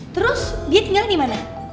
terus dia tinggal dimana